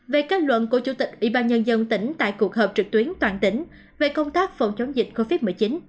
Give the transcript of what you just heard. về kết luận của chủ tịch ủy ban nhân dân tỉnh tại cuộc họp trực tuyến toàn tỉnh về công tác phòng chống dịch covid một mươi chín